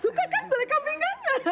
suka kan gulai kambing